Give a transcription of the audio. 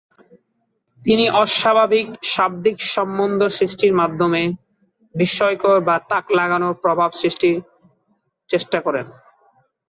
তিনি অস্বাভাবিক শাব্দিক সম্বন্ধ সৃষ্টির মাধ্যমে বিস্ময়কর বা তাক লাগানো প্রভাব সৃষ্টির চেষ্টা করেন।